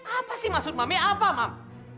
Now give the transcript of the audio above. apa sih maksud mami apa mam